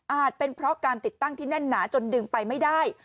เป็นเพราะการติดตั้งที่แน่นหนาจนดึงไปไม่ได้